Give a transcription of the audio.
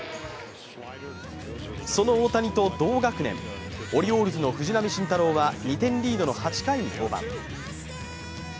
その大谷と同学年オリオールズの藤浪晋太郎は２点リードの８回に登板。